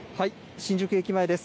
新宿駅前です。